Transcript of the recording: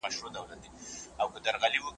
بې له مطالعې ژوند تيارو کي تېرېږي.